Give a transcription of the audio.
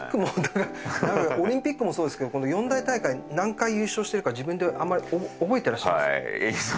オリンピックもそうですが四大大会、何回優勝しているか自分で覚えていらっしゃいますか。